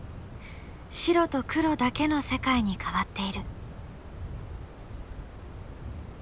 白と黒だけの世界に変わっている。